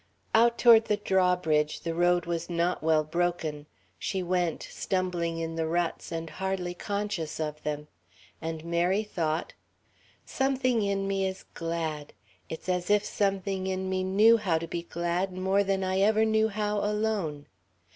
Out toward the drawbridge the road was not well broken. She went, stumbling in the ruts and hardly conscious of them. And Mary thought "Something in me is glad. "It's as if something in me knew how to be glad more than I ever knew how alone.